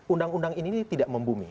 undang undang ini tidak membumi